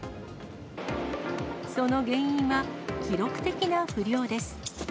その原因は、記録的な不漁です。